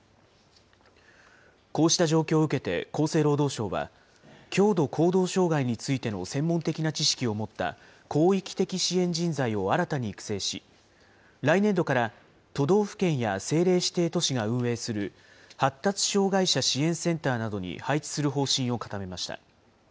こうした状況を受けて、厚生労働省は、強度行動障害についての専門的な知識を持った広域的支援人材を新たに育成し、来年度から、都道府県や政令指定都市が運営する発達障害者支援センターなどに配置する方針を固めました。